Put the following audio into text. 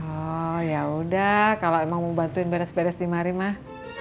oh ya udah kalau emang mau bantuin beres beres dimari mak